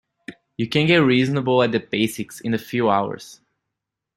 You can get reasonable at the basics in a few hours.